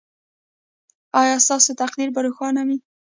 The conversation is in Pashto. ایا ستاسو تقدیر به روښانه وي؟